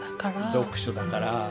「読書」だから。